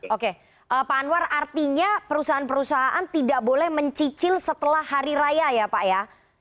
oke pak anwar artinya perusahaan perusahaan tidak boleh mencicil setelah hari raya ya pak ya